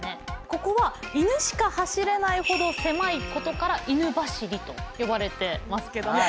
ここは犬しか走れないほど狭いことから犬走りと呼ばれてますけども。